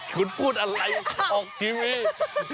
คุณพูดอะไรออกจริง